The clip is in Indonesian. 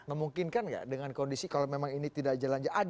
memungkinkan nggak dengan kondisi kalau memang ini tidak jalan jalan